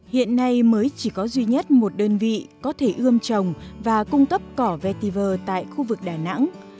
hiện nay mới chỉ có duy nhất một đơn vị có thể ươm trồng và cung cấp cỏ vtiver tại khu vực đà nẵng